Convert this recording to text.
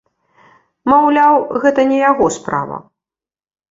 Маўляў, гэта не яго справа.